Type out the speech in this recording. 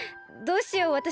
どうしよう。